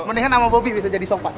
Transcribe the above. mendingan sama bobby bisa jadi sopan